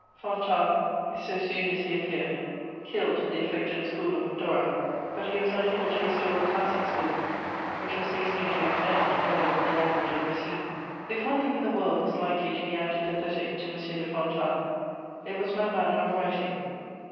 Fontanes, so soon as he appeared, killed the affected school of Dorat, but he was unable to restore the classic school, which was hastening to its end together with the language of Racine. If one thing in the world was likely to be antipathetic to M. de Fontanes, it was my manner of writing.